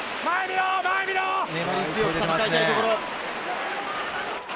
粘り強く戦いたいところ。